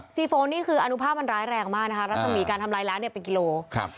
โฟนนี่คืออนุภาพมันร้ายแรงมากนะคะรัศมีการทำร้ายแล้วเนี่ยเป็นกิโลครับ